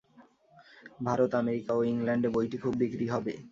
Bharat, America ও ইংলণ্ডে বইটি খুব বিক্রী হবে।